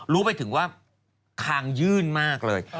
รู้ไปถึงว่าคางยื่นมากเลย